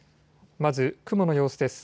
まず雲の様子です。